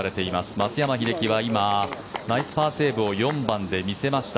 松山英樹は今ナイスパーセーブを４番で見せました。